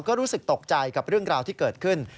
ก็รู้สึกตกใจกับเรื่องราวที่เกิดขึ้น